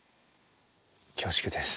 恐縮です。